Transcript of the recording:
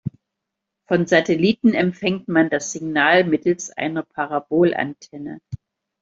Vom Satelliten empfängt man das Signal mittels einer Parabolantenne.